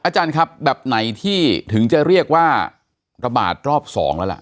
อาจารย์ครับแบบไหนที่ถึงจะเรียกว่าระบาดรอบ๒แล้วล่ะ